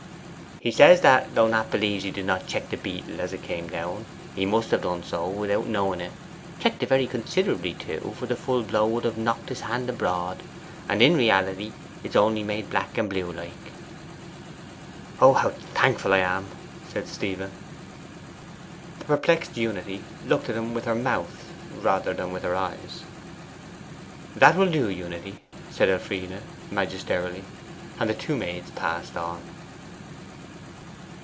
'He says that, although Nat believes he did not check the beetle as it came down, he must have done so without knowing it checked it very considerably too; for the full blow would have knocked his hand abroad, and in reality it is only made black and blue like.' 'How thankful I am!' said Stephen. The perplexed Unity looked at him with her mouth rather than with her eyes. 'That will do, Unity,' said Elfride magisterially; and the two maids passed on.